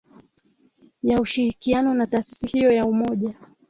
ya ushirikiano na taasisi hiyo ya Umoja